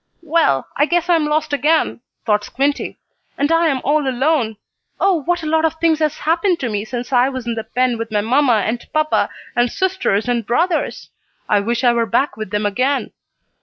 "Well, I guess I'm lost again," thought Squinty. "And I am all alone. Oh, what a lot of things has happened to me since I was in the pen with my mamma and papa and sisters and brothers! I wish I were back with them again."